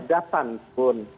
tanya cerda dan santun